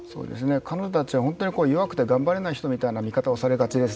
彼女たちは本当に弱くて頑張れないという見方をされがちです。